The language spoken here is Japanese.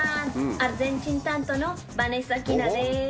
アルゼンチン担当のヴァネッサ・キナです。